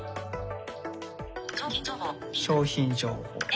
「商品情報」。